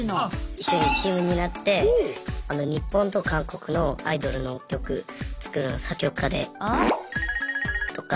一緒にチームになって日本と韓国のアイドルの曲作る作曲家でとか。